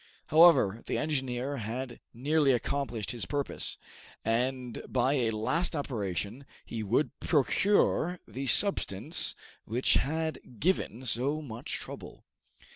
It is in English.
However, the engineer had nearly accomplished his purpose, and by a last operation he would procure the substance which had given so much trouble.